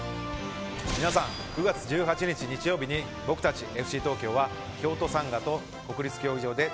皆さん９月１８日日曜日に僕たちＦＣ東京は京都サンガと国立競技場で対戦します。